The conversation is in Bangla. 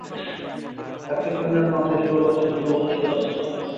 একশ সৈন্যের মাথায় শোভা পাচ্ছিল লৌহ শিরস্ত্রাণ।